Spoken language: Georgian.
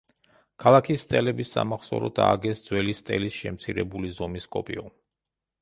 ქალაქის სტელების სამახსოვროდ ააგეს ძველი სტელის შემცირებული ზომის კოპიო.